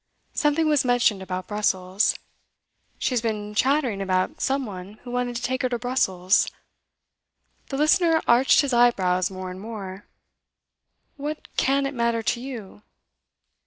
Something was mentioned about Brussels. She has been chattering about some one who wanted to take her to Brussels ' The listener arched his eyebrows more and more. 'What can it matter to you?